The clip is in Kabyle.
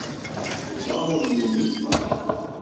Yuba ur yumin Mary.